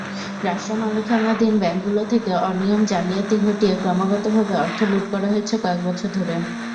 রাষ্ট্রমালিকানাধীন ব্যাংকগুলো থেকে অনিয়ম-জালিয়াতি ঘটিয়ে ক্রমাগতভাবে অর্থ লুট করা হয়েছে কয়েক বছর ধরে।